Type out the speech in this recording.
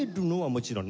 もちろん。